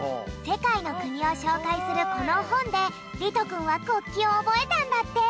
せかいの国をしょうかいするこのほんでりとくんは国旗を覚えたんだって。